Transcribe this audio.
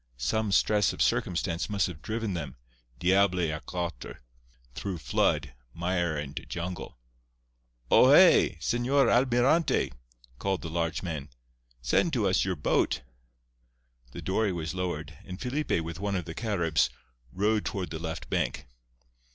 Some stress of circumstance must have driven them, diable à quatre, through flood, mire and jungle. "O hé! Señor Almirante," called the large man. "Send to us your boat." The dory was lowered, and Felipe, with one of the Caribs, rowed toward the left bank.